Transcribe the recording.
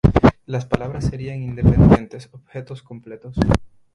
Las palabras serían independientes, objetos completos.